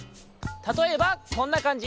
たとえばこんなかんじ。